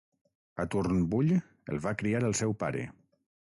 A Turnbull el va criar el seu pare.